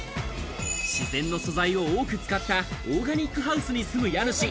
自然の素材を多く使ったオーガニックハウスに住む家主。